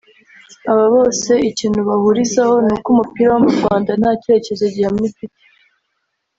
Aba bose ikintu bahurizaho ni uko umupira wo mu Rwanda nta cyerekezo gihamye ufite